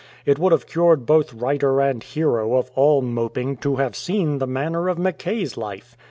It would have cured both writer and hero of all moping to have seen the manner of Mackay's life.